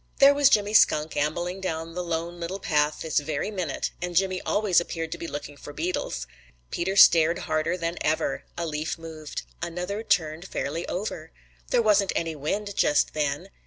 There was Jimmy Skunk ambling down the Lone Little Path this very minute, and Jimmy always appeared to be looking for beetles. Peter stared harder than ever. A leaf moved. Another turned fairly over. There wasn't any wind just then.